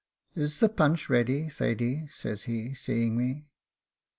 Is the punch ready, Thady?' says he, seeing me.